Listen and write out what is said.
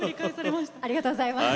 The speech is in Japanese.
ありがとうございます。